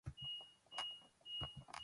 შემოსილია უხეშად დამუშავებული ქვით.